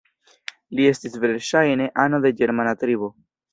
Li estis verŝajne ano de ĝermana tribo.